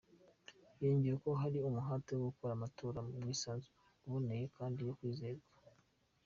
Yongeyeho ko hari "umuhate wo gukora amatora mu bwisanzure, aboneye kandi yo kwizerwa".